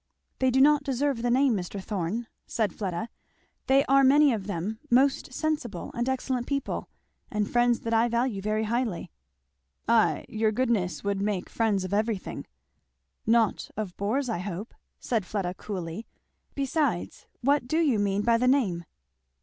"They do not deserve the name, Mr. Thorn," said Fleda. "They are many of them most sensible and excellent people, and friends that I value very highly." "Ah, your goodness would made friends of everything." "Not of boors, I hope," said Fleda coolly. "Besides, what do you mean by the name?"